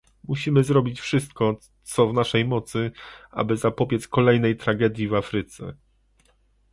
Musimy zrobić wszystko, co w naszej mocy, aby zapobiec kolejnej tragedii w Afryce